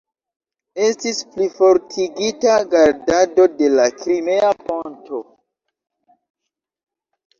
Estis plifortigita gardado de la Krimea ponto.